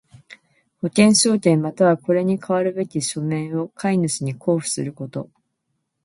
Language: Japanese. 保険証券又はこれに代わるべき書面を買主に交付すること。